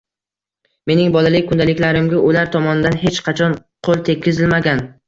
mening bolalik kundaliklarimga ular tomonidan hech qachon qo‘l tekkizilmagan.